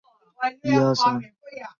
建德四年灭北齐。